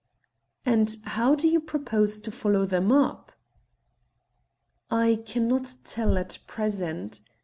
"And how do you propose to follow them up?" "I cannot tell at present.